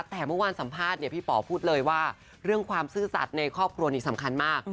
แต่เมื่อวานสัมภาษณ์เนี่ยพี่ป๋อพูดเลยว่าเรื่องความซื่อสัตว์ในครอบครัวนี้สำคัญมาก